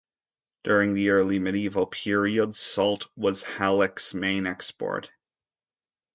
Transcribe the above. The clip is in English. During the early medieval period, salt was Halych's main export.